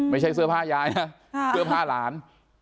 ไม่ใช่เสื้อผ้ายายนะเสื้อผ้าหลาน